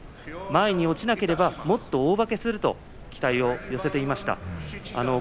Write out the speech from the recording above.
前に落ちなければもっと大勝ちすると期待を寄せていました。